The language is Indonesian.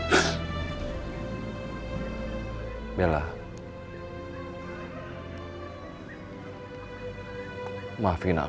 tengdc kejahatan kamu lebih saja ngejarkan